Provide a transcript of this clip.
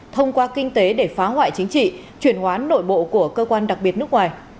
thông qua kinh tế để phá hoại chính trị chuyển hoán nội bộ của cơ quan đặc biệt nước ngoài